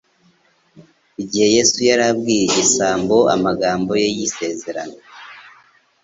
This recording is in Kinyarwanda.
igihe Yesu yari abwiye igisambo amagambo ye y'isezerano.